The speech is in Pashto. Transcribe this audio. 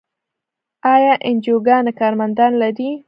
آیا انجیوګانې کارمندان لري؟